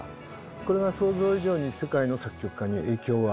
これは想像以上に世界の作曲家に影響を与えた。